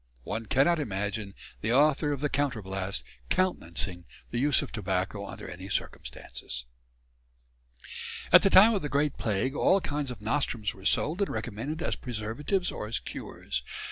One cannot imagine the author of the "Counterblaste" countenancing the use of tobacco under any circumstances. At the time of the Great Plague all kinds of nostrums were sold and recommended as preservatives or as cures.